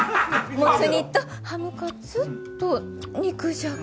もつ煮とハムカツと肉じゃが。